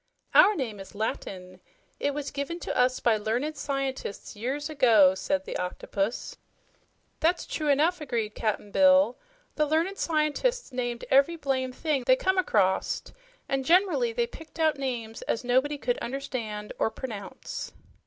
"Our name is Latin. It was given to us by learned scientists years ago," said the Octopus. "That's true enough," agreed Cap'n Bill. "The learned scientists named ev'ry blamed thing they come across, an' gener'ly they picked out names as nobody could understand or pernounce."